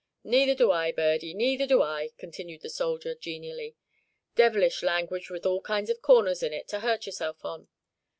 "Neither do I, Birdie, neither do I," continued the soldier, genially. "Devilish language with all kinds of corners in it to hurt yourself on.